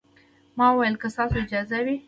ما وويل که ستاسو اجازه وي.